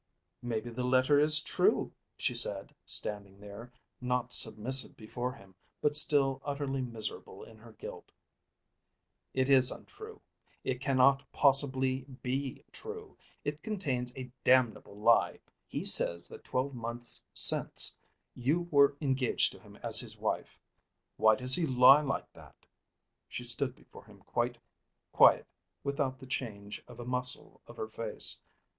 "Maybe the letter is true," she said standing there, not submissive before him, but still utterly miserable in her guilt. "It is untrue. It cannot possibly be true. It contains a damnable lie. He says that twelve months since you were engaged to him as his wife. Why does he lie like that?" She stood before him quite quiet without the change of a muscle of her face.